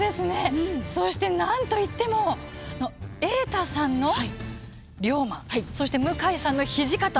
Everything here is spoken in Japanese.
そしてなんといっても瑛太さんの龍馬そして向井さんの土方。